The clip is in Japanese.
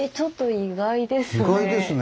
意外ですね。